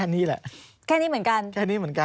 ได้หนูเล่ามาแค่นี้แหละ